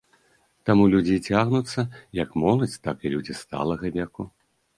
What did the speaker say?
Таму людзі і цягнуцца, як моладзь, так і людзі сталага веку.